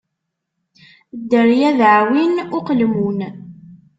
Dderya d aɛwin uqelmun.